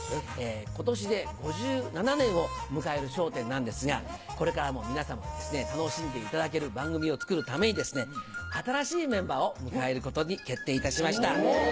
今年で５７年を迎える『笑点』なんですがこれからも皆様に楽しんでいただける番組を作るために新しいメンバーを迎えることに決定いたしました。